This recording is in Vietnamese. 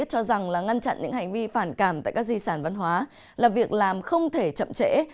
hành vi phản cảm tại các di sản văn hóa là việc làm không thể chậm trễ